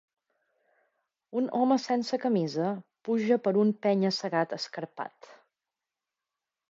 Un home sense camisa puja per un penya-segat escarpat.